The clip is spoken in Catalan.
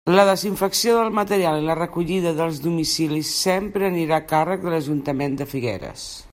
La desinfecció del material i la recollida dels domicilis sempre anirà a càrrec de l'Ajuntament de Figueres.